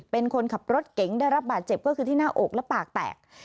เป็นคนขับรถเก๋งได้รับบาดเจ็บก็คือที่หน้าอกและปากแตก